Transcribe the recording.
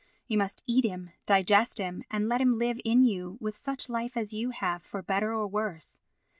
You must eat him, digest him and let him live in you, with such life as you have, for better or worse.